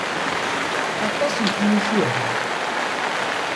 Aṭas n tmucuha.